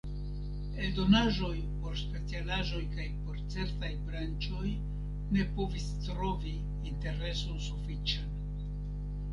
Eldonaĵoj por specialaĵoj kaj por certaj branĉoj ne povis trovi intereson sufiĉan.